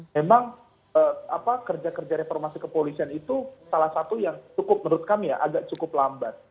memang kerja kerja reformasi kepolisian itu salah satu yang cukup menurut kami ya agak cukup lambat